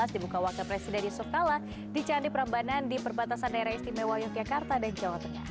dibuka wakil presiden yusuf kala di candi prambanan di perbatasan daerah istimewa yogyakarta dan jawa tengah